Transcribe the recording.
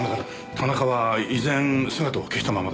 田中は依然姿を消したままだ。